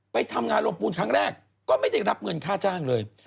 ไปทำงานโรงปูนครั้งแรกก็ไม่ได้รับเงินค่าจ้างเลย